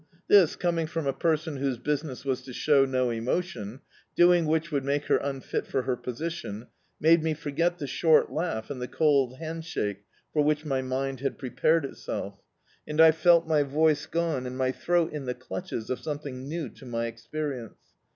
This, ccnning from a person whose business was to show no emotion, doing which would make her unfit for her position, made me forget the short laugh and the cold hand shake for which my mind had prepared itself, and I felt my voice gtme, and my throat in the clutches of something new to my expenence.